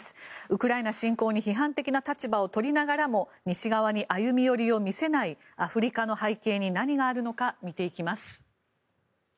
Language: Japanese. ウクライナ侵攻に批判的な立場を取りながらも西側に歩み寄りを見せないアフリカの背景に何があるのか見ていきます。